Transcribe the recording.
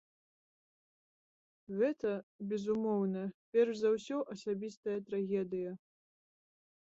Гэта, безумоўна, перш за ўсё асабістая трагедыя.